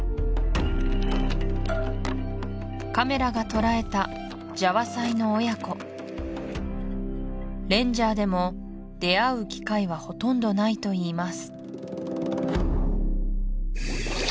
カメラがとらえたジャワサイの親子レンジャーでも出会う機会はほとんどないといいます